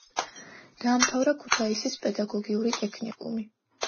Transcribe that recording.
დაამთავრა ქუთაისის პედაგოგიური ტექნიკუმი.